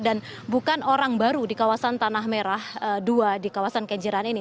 dan bukan orang baru di kawasan tanah merah dua di kawasan kenjeran ini